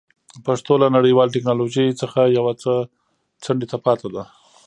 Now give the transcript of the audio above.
پښتو له نړیوالې ټکنالوژۍ څخه یو څه څنډې ته پاتې ده.